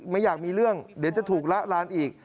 ไม่อยากมีเรื่องเดี๋ยวจะถูกละลานอีก